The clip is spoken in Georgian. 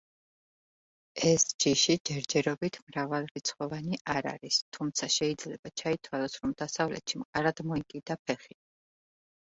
ეს ჯიში ჯერჯერობით მრავალრიცხოვანი არ არის, თუმცა შეიძლება ჩაითვალოს, რომ დასავლეთში მყარად მოიკიდა ფეხი.